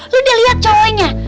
lo udah liat cowoknya